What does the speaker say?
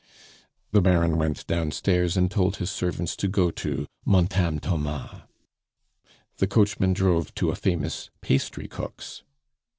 The Baron went downstairs and told his servants to go to "Montame Thomas." The coachman drove to a famous pastrycook's.